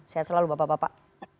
saya selalu bapak bapak